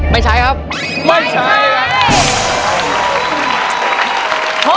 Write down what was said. ไม่ใช้ครับ